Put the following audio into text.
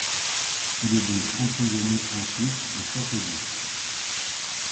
Il est donc emprisonné ensuite au Château d'If.